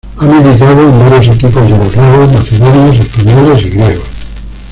Ha militado en varios equipos yugoslavos, macedonios, españoles y griegos.